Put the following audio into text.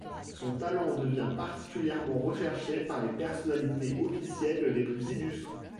Son talent devient particulièrement recherché par les personnalités officielles les plus illustres.